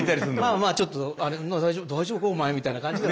まあまあちょっと「大丈夫か？お前」みたいな感じで。